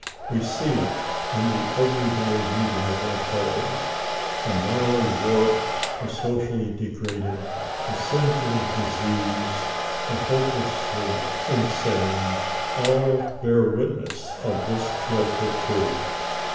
We see it in the everyday meeting with our fellows; the morally warped, the socially degraded, the sin fully diseased, the hopelessly insane, all bear wit 118 ALICE ; OR, THE WAGES OF SIN. ness of this dreadful truth.